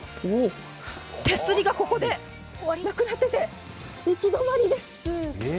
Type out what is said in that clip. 手すりがここでなくなってて行き止まりです。